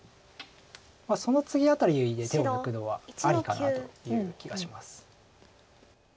その次あたりで手を抜くのはありかなという気がします。